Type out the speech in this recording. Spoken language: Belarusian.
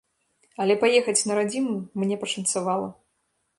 Але паехаць на радзіму мне пашанцавала.